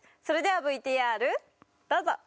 それではＶＴＲどうぞ！